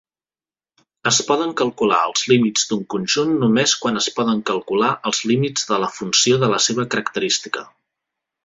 Es poden calcular els límits d'un conjunt només quan es poden calcular els límits de la funció de la seva característica.